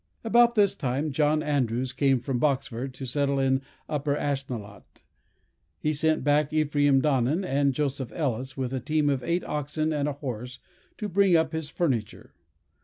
"About this time, John Andrews came from Boxford to settle in Upper Ashnelot. He sent back Ephraim Donnan and Joseph Ellis with a team of eight oxen and a horse, to bring up his furniture.